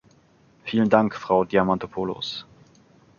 Vielen Dank, Frau Diamantopoulos.